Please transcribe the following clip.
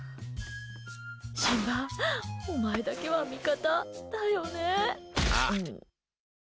シンバお前だけは味方だよね？